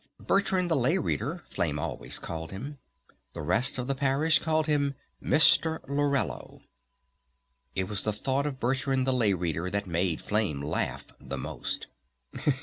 "Bertrand the Lay Reader," Flame always called him. The rest of the Parish called him Mr. Laurello. It was the thought of Bertrand the Lay Reader that made Flame laugh the most.